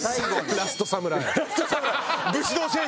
『ラストサムライ』。